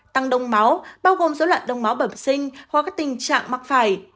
tăng đông máu bao gồm số loại đông máu bẩm sinh hoặc các tình trạng mắc phải